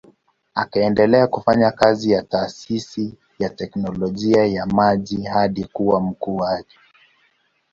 Akaendelea kufanya kazi ya taasisi ya teknolojia ya maji hadi kuwa mkuu wake.